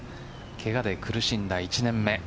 ケガで苦しんだ１年目。